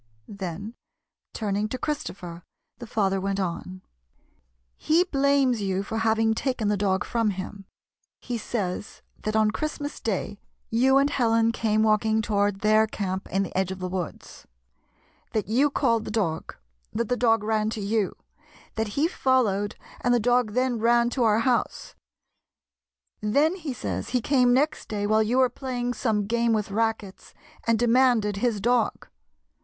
Then, turning to Christopher, the father went on :" He blames you for hav ing taken the dog from him. He says that on Christmas day you and Helen came walking toward their camp in the edge of the woods ; that you called the dog ; that the dog ran to you ; that he followed, and the dog then ran to our house. Then, he says, he came next day while you were playing some game with rackets, and demanded his dog.